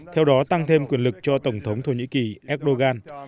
theo đó tăng thêm quyền lực cho tổng thống thổ nhĩ kỳ erdogan